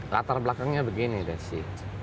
latar belakangnya begini desy